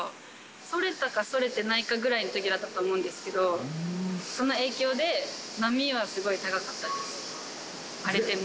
それたかそれてないかぐらいのときだったと思うんですけど、その影響で、波はすごい高かったです。